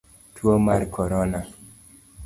Tuo mar korona